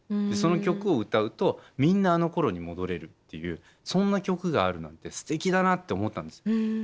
その曲を歌うとみんなあのころに戻れるっていうそんな曲があるなんてすてきだなって思ったんですよ。